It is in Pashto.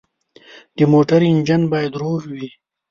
د موټر انجن باید روغ وي.